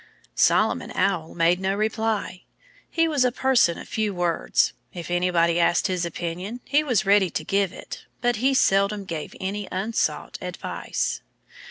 Solomon Owl made no reply. He was a person of few words. If anybody asked his opinion he was ready to give it. But he seldom gave any unsought advice.